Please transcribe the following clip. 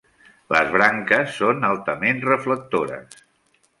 Les branques són altament reflectores.